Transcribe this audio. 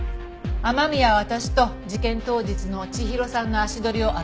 雨宮は私と事件当日の千尋さんの足取りを洗うわよ。